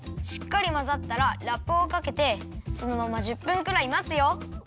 しっかりまざったらラップをかけてそのまま１０分ぐらいまつよ。